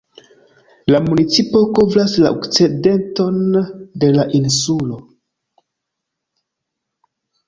La municipo kovras la okcidenton de la insulo.